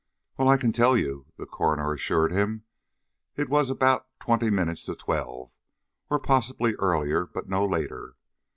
"Well, I can tell you," the coroner assured him. "It was about twenty minutes to twelve, or possibly earlier, but no later.